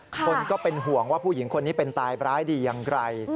คนก็เป็นห่วงว่าผู้หญิงคนนี้เป็นตายร้ายดีอย่างไร